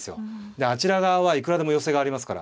であちら側はいくらでも寄せがありますから。